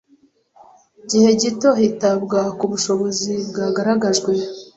gihe gito hitabwa ku bushobozi bwagaragajwe